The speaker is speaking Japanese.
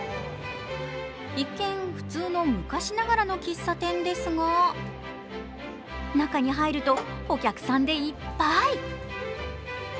一見、普通の昔ながらの喫茶店ですが中に入るとお客さんでいっぱい。